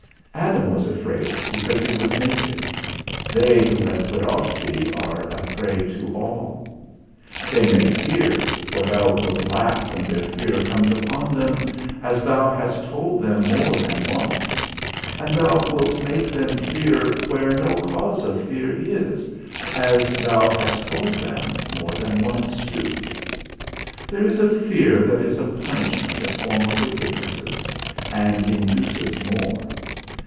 Adam was afraid, because he was naked. They who have put off thee are a prey to all. They may fear, for Thou wilt laugh when their fear comes upon them, as thou hast told them more than once. And thou wilt make them fear where no cause of fear is, as thou hast told them more than once too. There is a fear that is a punishment of former wickednesses, and induces more.